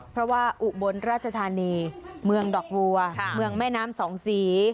เพราะว่าอุบลราชธานีเมืองดอกบัวเมืองแม่น้ำสองสี